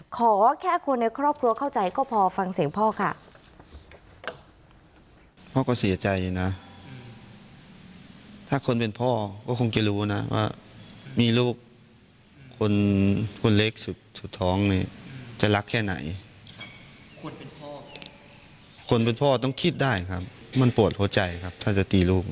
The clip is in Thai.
ขอแค่คนในครอบครัวเข้าใจก็พอฟังเสียงพ่อค่ะ